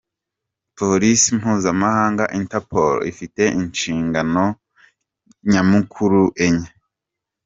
Polisi mpuzamahanga interpol ifite inshingano nyamukuru enye.